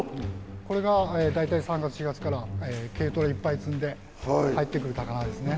これが大体３月４月から軽トラいっぱいに積んで入ってくる高菜ですね。